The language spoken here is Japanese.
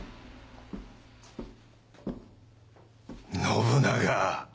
信長。